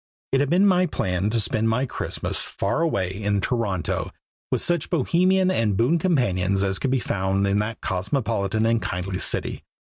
It had been my plan to spend my Christmas far away in Toronto, with such bohemian and boon companions as could be found in that cosmopolitan and kindly city.